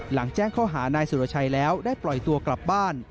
แจ้งข้อหานายสุรชัยแล้วได้ปล่อยตัวกลับบ้าน